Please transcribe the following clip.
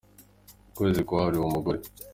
Ukwezi kwahariwe umugore.